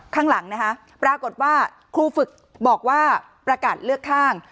ข้างหลังนะคะปรากฏว่าครูฝึกบอกว่าประกาศเลือกข้าง